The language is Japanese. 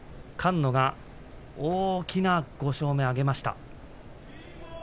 菅野、大きな星５勝目を挙げました。